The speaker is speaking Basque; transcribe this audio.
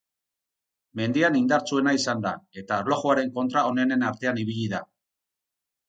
Mendian indartsuena izan da, eta erlojuaren kontra onenen artean ibili da.